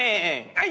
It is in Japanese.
はい！